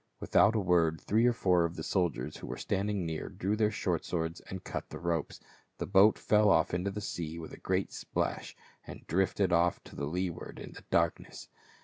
Without a word three or four of the soldiers who were standins: near drew their short swords and cut the ropes ; the boat fell off into the sea with a great splash and drifted off to leeward in the darkness.